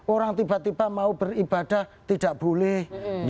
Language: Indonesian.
orang tiba tiba mau beribadah tidak boleh